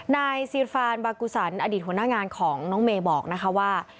นายซีฟานบากุสันอดีตหัวหน้างานของน้องเมย์บอกนะคะว่า